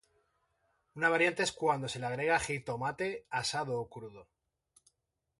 Una variante es cuando se le agrega jitomate asado o crudo.